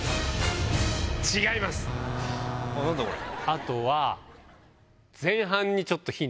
あとは。